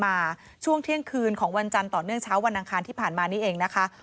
มาช่วงเที่ยงคืนของวันจันทร์ต่อเนื่องเช้าวันอังคารที่ผ่านมานี่เองนะคะ